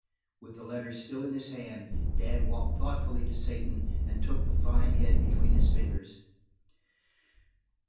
With the letter still in his hand Dan walked thoughtfully to Satan and took the fine head between his fingers.